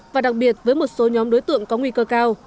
và đặc biệt với một số nhóm đối tượng có nguy cơ cao